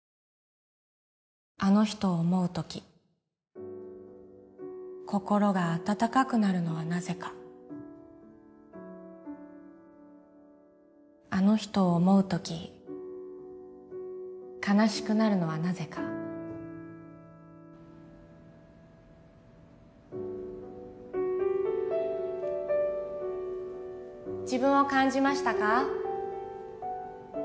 あの人を思う時心が温かくなるのはなぜかあの人を思う時悲しくなるのはなぜか自分を感じましたか？